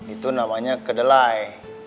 itu namanya kedelai